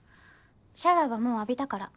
シャワーはもう浴びたから。